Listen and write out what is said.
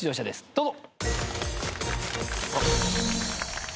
どうぞ。